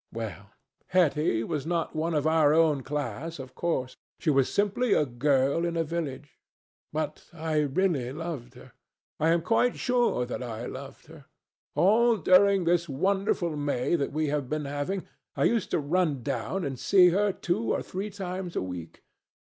Well, Hetty was not one of our own class, of course. She was simply a girl in a village. But I really loved her. I am quite sure that I loved her. All during this wonderful May that we have been having, I used to run down and see her two or three times a week.